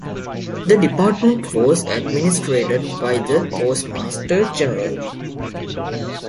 The Department was administered by the Postmaster-General.